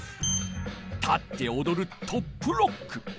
立っておどる「トップロック」。